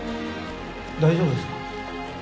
大丈夫ですか？